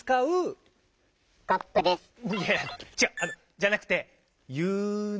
じゃなくて「ゆの」。